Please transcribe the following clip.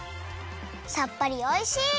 さっぱりおいしい！